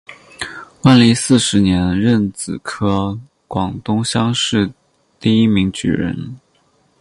万历四十年壬子科广东乡试第一名举人。